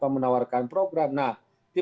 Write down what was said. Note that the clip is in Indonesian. menawarkan kebijakan dan lain lain